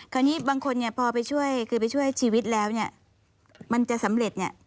คราวนี้บางคนพอไปช่วยชีวิตแล้วเนี่ยมันจะสำเร็จเนี่ย